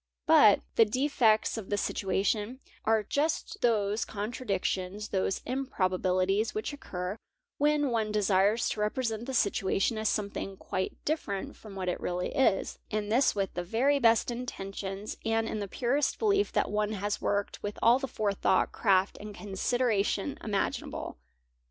But the "defects of the situation" are just those contra _ dictions, those vmprobabilities, which occur when one desires to represent the situation as something quite different from what it really vs, and this with the very best intentions and in the purest belief that one has worked with all the forethought, craft, and consideration imaginable.